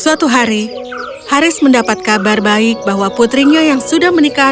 suatu hari haris mendapat kabar baik bahwa putrinya yang sudah menikah